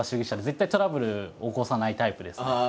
絶対トラブル起こさないタイプですね。